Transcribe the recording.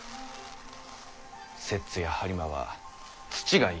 摂津や播磨は土がいい。